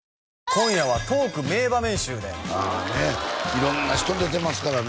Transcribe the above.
今夜はトーク名場面集でねえ色んな人出てますからね